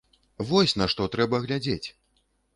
Вось на што трэба глядзець!